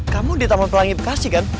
kamu di taman pelangit bekasi kan